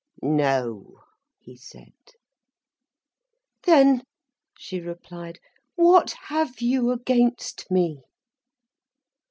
"No," he said. "Then," she replied, "what have you against me!"